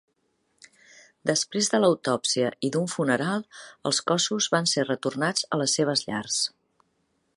Després de l'autòpsia i d'un funeral, els cossos van ser retornats a les seves llars.